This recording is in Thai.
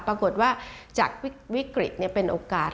ปรากฏว่าจากวิกฤตเป็นโอกาส